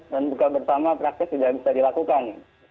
dan buka buka bersama praktis sudah bisa dilakukan